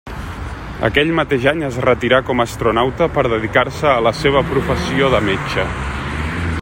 Aquell mateix any es retirà com astronauta per dedicar-se a la seva professió de metge.